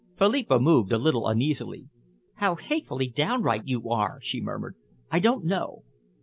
Philippa moved a little uneasily. "How hatefully downright you are!" she murmured. "I don't know."